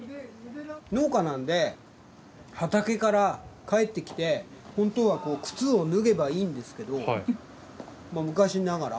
農家なんで畑から帰ってきて本当は靴を脱げばいいんですがまぁ昔ながら。